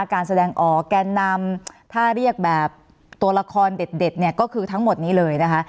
การแสดงออกแกนนำถ้าเรียกแบบตัวละครเด็ดเนี่ยก็คือทั้งหมดนี้เลยนะคะ